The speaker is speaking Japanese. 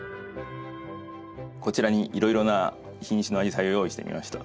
こちらにいろいろな品種のアジサイを用意してみました。